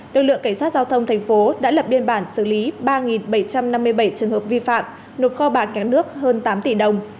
lực lượng cảnh sát giao thông thành phố đã lập biên bản xử lý ba bảy trăm năm mươi bảy trường hợp vi phạm nộp kho bạc kém nước hơn tám tỷ đồng